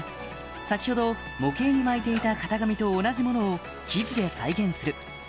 先程模型に巻いていた型紙と同じものを生地で再現する